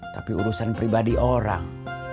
tapi urusan pribadi orang